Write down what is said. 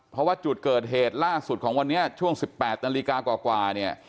เพราะว่าจุดเกิดเหตุล่าสุดของวันนี้ช่วง๑๘นาฬิกากว่าเนี่ย